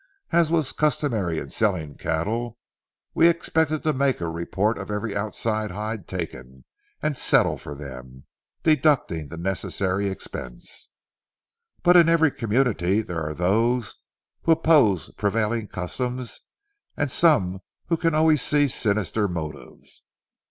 As was customary in selling cattle, we expected to make report of every outside hide taken, and settle for them, deducting the necessary expense. But in every community there are those who oppose prevailing customs, and some who can always see sinister motives.